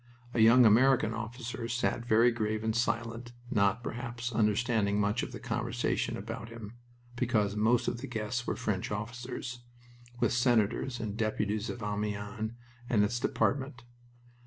A young American officer sat very grave and silent, not, perhaps, understanding much of the conversation about him, because most of the guests were French officers, with Senators and Deputies of Amiens and its Department.